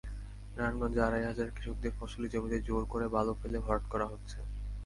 নারায়ণগঞ্জের আড়াইহাজারে কৃষকদের ফসলি জমিতে জোর করে বালু ফেলে ভরাট করা হচ্ছে।